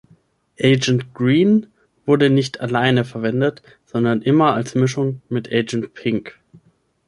Agent Green wurde nicht alleine verwendet, sondern immer als Mischung mit Agent Pink.